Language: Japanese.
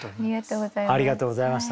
ありがとうございます。